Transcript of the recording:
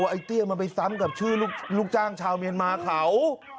ไอ้เตี้ยมันไปซ้ำกับชื่อลูกจ้างชาวเมียนมาเขา